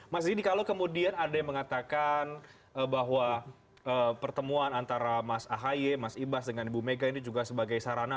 mas didi kalau kemudian ada yang mengatakan bahwa pertemuan antara mas ahy mas ibas dengan ibu mega ini juga sebagai sarana